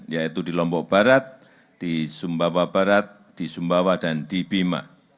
yaitu di lombok barat di sumbawa barat di sumbawa dan di bima